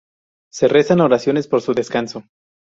Se rezan oraciones por su descanso.